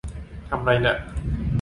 ทำไรน่ะ